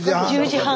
１０時半。